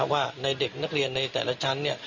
ว่าในเด็กนักเรียนในแต่ละชั้น